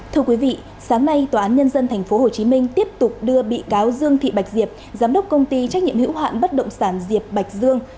thưa quý vị sáng nay tòa án nhân dân tp hcm tiếp tục đưa bị cáo dương thị bạch diệp giám đốc công ty trách nhiệm hữu hạn bất động sản diệp bạch dương